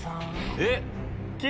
えっ⁉